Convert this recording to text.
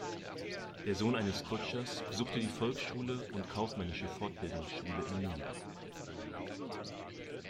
Der Sohn eines Kutschers besuchte die Volksschule und kaufmännische Fortbildungsschule in Nürnberg.